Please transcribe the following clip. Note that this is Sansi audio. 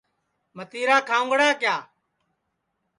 متِیرا کھاؤنگڑا کِیا